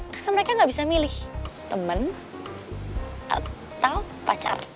karena mereka gak bisa milih temen atau pacar